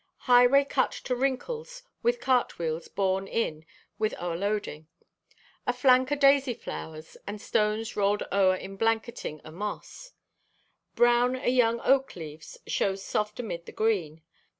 Highway cut to wrinkles with cart wheels born in with o'erloading. A flank o' daisy flowers and stones rolled o'er in blanketing o' moss. Brown o' young oak leaves shows soft amid the green.